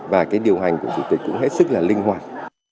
và cái điều hành của chủ tịch cũng hết sức là linh hoạt